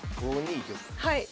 はい。